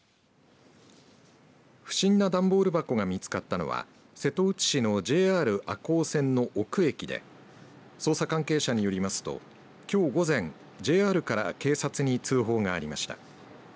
不審な段ボール箱が見つかったのは瀬戸内市のＪＲ赤穂線の邑久駅で捜査関係者によりますときょう午前、ＪＲから警察に通報がありました。